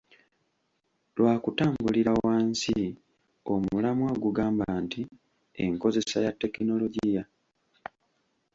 Lwakutambulira wansi w’omulamwa ogugamba nti, "Enkozesa ya tekinologiya" .